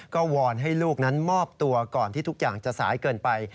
ก็วอนให้ลูกนั้นมอบตัวก่อนที่ทุกอย่างจะสายเกินไป